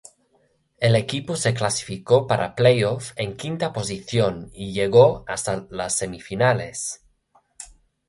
El equipo se clasificó para "playoff" en quinta posición, y llegó hasta las semifinales.